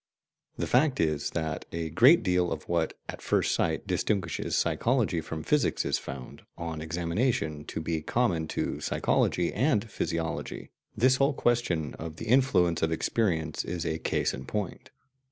The fact is that a great deal of what, at first sight, distinguishes psychology from physics is found, on examination, to be common to psychology and physiology; this whole question of the influence of experience is a case in point.